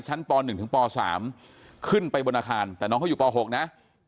ป๑ถึงป๓ขึ้นไปบนอาคารแต่น้องเขาอยู่ป๖นะ